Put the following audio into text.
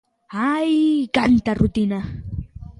Ai... Canta rutina!